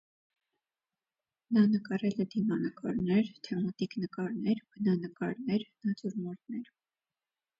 Նա նկարել է դիմանկարներ, թեմատիկ նկարներ, բնանկարներ, նատյուրմորտներ։